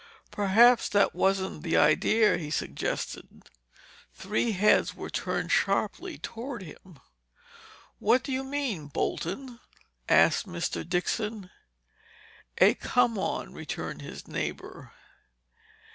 "Perhaps that wasn't the idea," he suggested. Three heads were turned sharply toward him. "What do you mean, Bolton?" asked Mr. Dixon. "A come on," returned his neighbor.